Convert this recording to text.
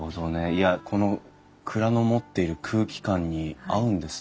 いやこの蔵の持っている空気感に合うんですね。